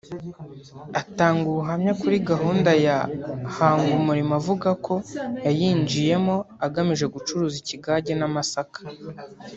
Atanga ubuhamya kuri Gahunda ya Hangumurimo avuga ko yayinjiyemo agamije gucuruza ikigage n’amasaka